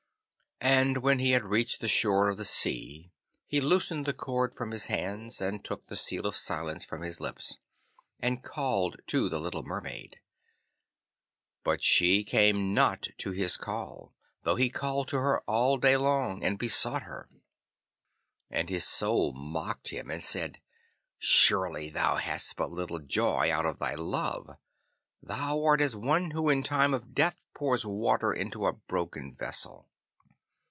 And when he had reached the shore of the sea, he loosed the cord from his hands, and took the seal of silence from his lips, and called to the little Mermaid. But she came not to his call, though he called to her all day long and besought her. And his Soul mocked him and said, 'Surely thou hast but little joy out of thy love. Thou art as one who in time of death pours water into a broken vessel.